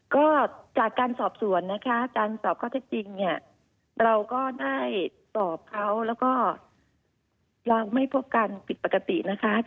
ก็จากการสอบสวนนะคะการสอบข้อเท็จจริงเนี่ยเราก็ได้ตอบเขาแล้วก็เราไม่พบการผิดปกตินะคะ